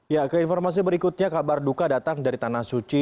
ya ke informasi berikutnya kabar duka datang dari tanah suci